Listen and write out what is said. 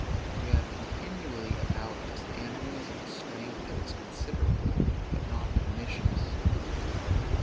We have continually about us animals of a strength that is considerable, but not pernicious.